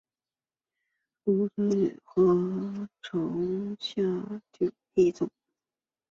芦竹盾介壳虫为盾介壳虫科竹盾介壳虫属下的一个种。